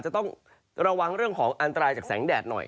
จะต้องระวังเรื่องของอันตรายจากแสงแดดหน่อย